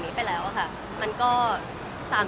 ไม่คุณพี่ตอนนั้นมันคือแบบ